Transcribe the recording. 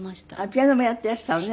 ピアノもやっていらしたのね